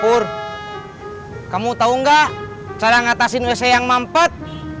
pur kamu tau gak cara ngatasin wc yang mampet